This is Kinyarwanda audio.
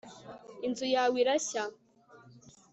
Inzu yawe irashya